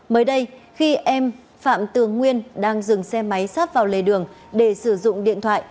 mới đây khi em phạm tường nguyên đang dừng xe máy sắp vào lề đường để sử dụng điện thoại